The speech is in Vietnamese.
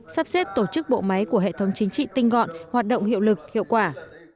sắp xếp tổ chức bộ máy của hệ thống chính trị tinh gọn hoạt động hiệu lực hiệu quả